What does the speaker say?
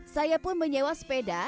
saya pun menyewa sepeda